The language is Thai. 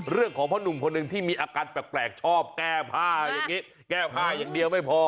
เรื่องของพ่อหนุ่มคนหนึ่งที่มีอาการแปลกชอบแก้ผ้าอย่างนี้แก้ผ้าอย่างเดียวไม่พอ